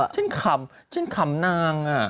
ฉันขำนาง